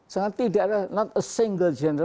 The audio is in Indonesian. sangat tidak ada tidak ada satu jenderal